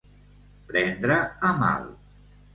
Prendre a mal.